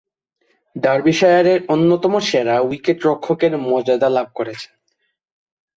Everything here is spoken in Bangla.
ডার্বিশায়ারের অন্যতম সেরা উইকেট-রক্ষকের মর্যাদা লাভ করেছেন।